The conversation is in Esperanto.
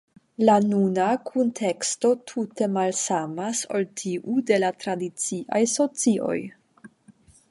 La nuna kunteksto tute malsamas ol tiu de la tradiciaj socioj.